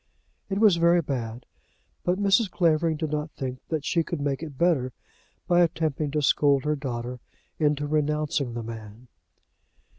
It was very bad, but Mrs. Clavering did not think that she could make it better by attempting to scold her daughter into renouncing the man.